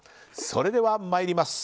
それでは参ります。